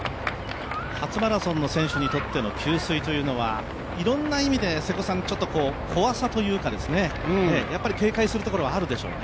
初マラソンの選手にとっての給水というのは、いろんな意味で怖さというか警戒するところはあるでしょうね。